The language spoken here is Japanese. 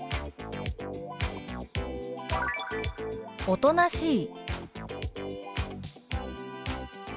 「おとなしい」。